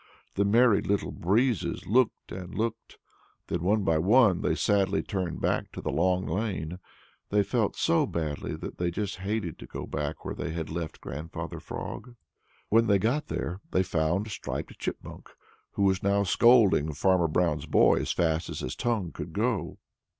The Merry Little Breezes looked and looked. Then, one by one, they sadly turned back to the Long Lane. They felt so badly that they just hated to go back where they had left Grandfather Frog. When they got there, they found Striped Chipmunk, who now was scolding Farmer Brown's boy as fast as his tongue could go.